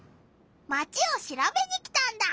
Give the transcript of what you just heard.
マチをしらべに来たんだ！